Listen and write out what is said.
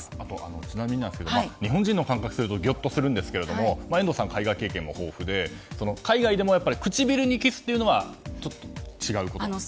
ちなみになんですが日本人の感覚からするとぎょっとするんですけども遠藤さんは海外経験も豊富で海外でも唇にキスというのはちょっと違うことなんですか？